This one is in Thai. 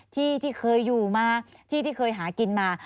ที่ที่เคยอยู่มาที่ที่เคยหากินมา